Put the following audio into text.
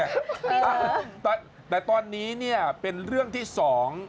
เป็นเหรอแต่แต่ตอนนี้นี่เป็นเรื่องที่สอง